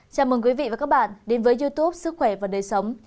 chào mừng quý vị và các bạn đến với youtube sức khỏe và đời sống